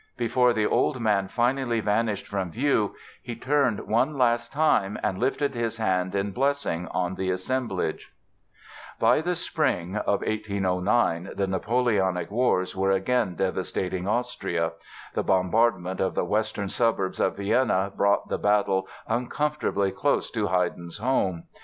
Before the old man finally vanished from view he turned one last time and lifted his hand in blessing on the assemblage. By the spring of 1809 the Napoleonic wars were again devastating Austria. The bombardment of the western suburbs of Vienna brought the battle uncomfortably close to Haydn's home.